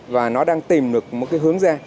và nó đang tìm được một cái hướng ra